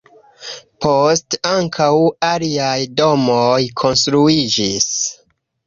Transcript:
Poste ankaŭ aliaj domoj konstruiĝis.